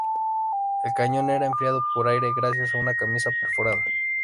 El cañón era enfriado por aire gracias a una camisa perforada.